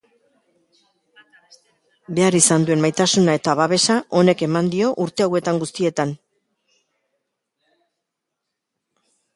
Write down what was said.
Behar izan duen maitasuna eta babesa honek eman dio urte hauetan guztietan.